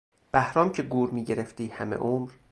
بهرام که گور میگرفتی همه عمر...